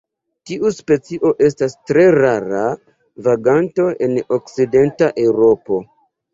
Tiu specio estas tre rara vaganto en Okcidenta Eŭropo.